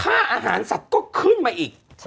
ฆ่าอาหารสัตว์ก็ครึ่งมาอีก